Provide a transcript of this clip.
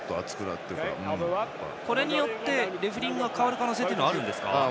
これによってレフリングが変わる可能性はあるんですか？